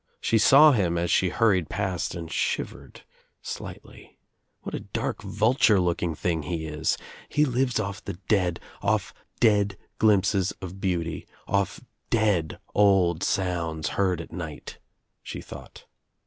She saw him as she hurried past and shivered slightly. "What a dark vulture like thing he is I He lives off the dead, oR dead glimpses of beauty, oil dead S48 THE TRIUMPH OF THE EGG old sounds heard at night," she thought.